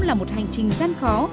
là một hành trình gian khó